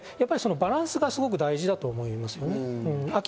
バランスがすごく大事だということですね。